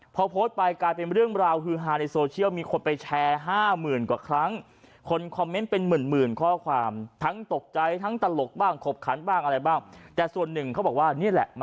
พอโพสต์ไปกลายเป็นเรื่องราวฮือฮาในโซเชียลมีคนไปแชร์ห้าม